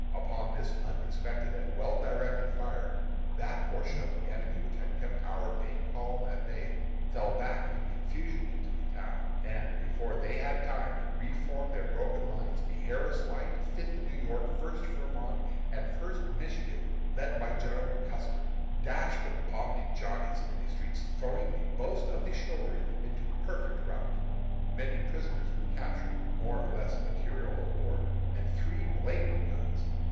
Under this unexpected and well directed fire, that portion of the enemy which had kept our main column at bay fell back in confusion into the town; and, before they had time to re form their broken lines, the Harris Light, Fifth New York, First Vermont, and First Michigan, led by General Custer, dashed upon the "Johnnies" in the streets, throwing the boast of the chivalry into a perfect rout. Many prisoners were captured, more or less material of war, and three Blakely guns.